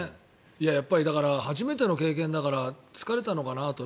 やっぱり初めての経験だから疲れたのかなと。